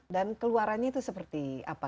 dan keluarannya itu seperti apa